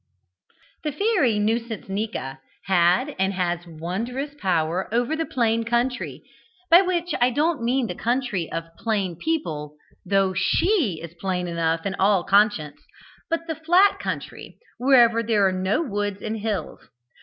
"The fairy Nuisancenika had, and has, wondrous power over the Plain country by which I don't mean the country of 'plain' people, though she is 'plain' enough in all conscience, but the flat country, wherever there are no woods and hills.